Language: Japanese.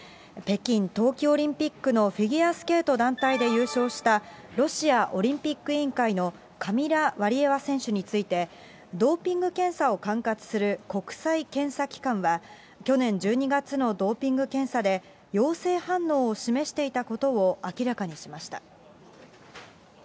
北京冬季オリンピックのフィギュアスケート団体で優勝した、ロシアオリンピック委員会のカミラ・ワリエワ選手について、ドーピング検査を管轄する国際検査機関は、去年１２月のドーピング検査で、陽性反応を示していたことを明らかにしました。